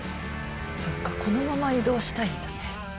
そっかこのまま移動したいんだね。